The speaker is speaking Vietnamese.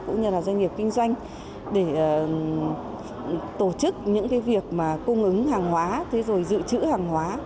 cũng như doanh nghiệp kinh doanh để tổ chức những việc cung ứng hàng hóa dự trữ hàng hóa